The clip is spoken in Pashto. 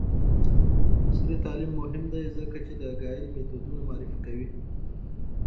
عصري تعلیم مهم دی ځکه چې د اګایل میتودونه معرفي کوي.